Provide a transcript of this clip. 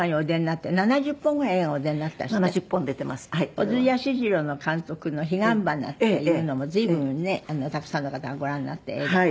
小津安二郎の監督の『彼岸花』っていうのも随分ねたくさんの方がご覧になった映画で。